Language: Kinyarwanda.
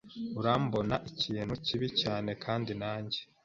Urambona ikintu kibi cyane kandi nanjye